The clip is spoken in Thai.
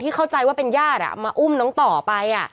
เข้าใจว่าเป็นญาติมาอุ้มน้องต่อไป